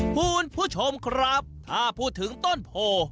คุณผู้ชมครับถ้าพูดถึงต้นโพ